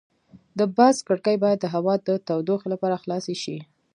د بس کړکۍ باید د هوا د تودوخې لپاره خلاصې شي.